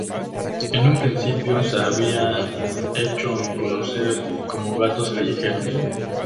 En un principio se habían hecho conocer como Gatos Callejeros.